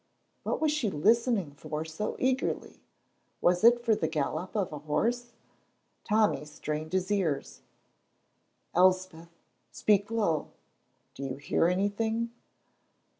What was she listening for so eagerly? Was it for the gallop of a horse? Tommy strained his ears. "Elspeth speak low do you hear anything?"